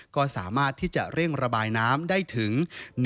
ก็สามารถที่จะเร่งระบายน้ำได้ถึง